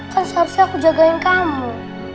kan seharusnya aku jagain kamu